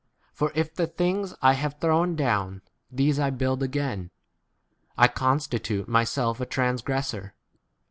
For if the things I have thrown down these I build again, I constitute myself a trans } gressor.